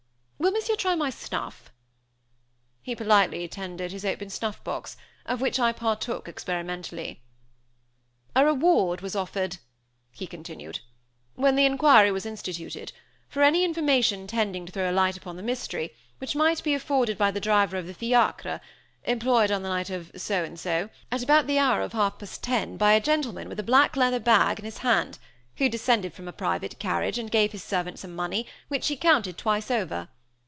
Will Monsieur try my snuff?" He politely tendered his open snuff box, of which I partook, experimentally. "A reward was offered," he continued, "when the inquiry was instituted, for any information tending to throw a light upon the mystery, which might be afforded by the driver of the fiacre 'employed on the night of' (so and so), 'at about the hour of half past ten, by a gentleman, with a black leather bag bag in his hand, who descended from a private carriage, and gave his servant some money, which he counted twice over.'